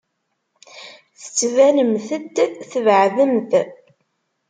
Tettbanemt-d tbeɛdemt.